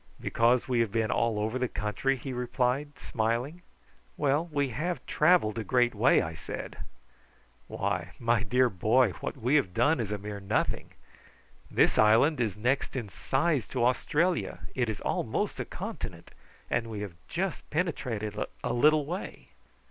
"Because we have been all over the country?" he replied, smiling. "Well, we have travelled a great way," I said. "Why, my dear boy, what we have done is a mere nothing. This island is next in size to Australia. It is almost a continent, and we have just penetrated a little way."